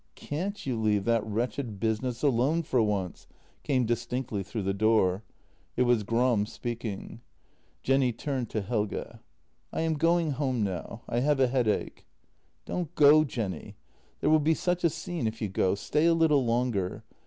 "Can't you leave that wretched business alone for once?" came distinctly through the door; it was Gram speaking. Jenny turned to Helge: " I am going home now — I have a headache." " Don't go, Jenny. There will be such a scene if you go. Stay a little longer.